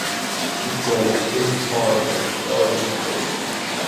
He plays this part as starting pitcher.